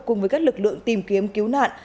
cùng với các lực lượng tìm kiếm cứu nạn